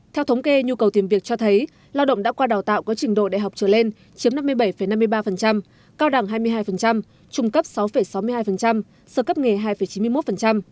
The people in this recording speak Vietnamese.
theo thống kê nhu cầu tìm việc cho thấy lao động đã qua đào tạo có trình độ đại học trở lên chiếm năm mươi bảy năm mươi ba cao đẳng hai mươi hai trung cấp sáu sáu mươi hai sơ cấp nghề hai chín mươi một